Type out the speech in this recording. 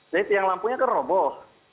jadi tiang lampunya teroboh